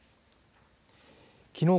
きのう